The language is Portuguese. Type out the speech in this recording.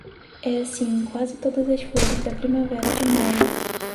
É assim quase todas as flores da primavera de maio.